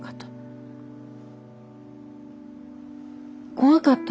怖かった。